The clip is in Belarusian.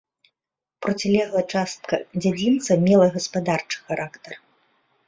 Процілеглая частка дзядзінца мела гаспадарчы характар.